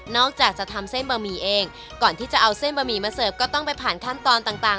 อกจากจะทำเส้นบะหมี่เองก่อนที่จะเอาเส้นบะหมี่มาเสิร์ฟก็ต้องไปผ่านขั้นตอนต่าง